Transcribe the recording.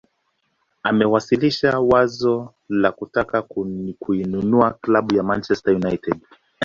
Amewasilisha wazo la kutaka kuinunua klabu ya Manchester United